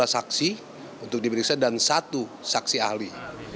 tiga saksi untuk diperiksa dan satu saksi ahli